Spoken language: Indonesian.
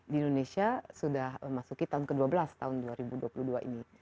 di indonesia sudah memasuki tahun ke dua belas tahun dua ribu dua puluh dua ini